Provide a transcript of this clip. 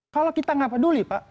kalau kita nggak peduli pak